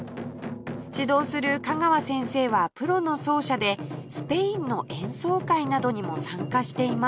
指導する香川先生はプロの奏者でスペインの演奏会などにも参加しています